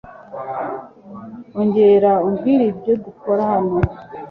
Ongera umbwire ibyo dukora hano.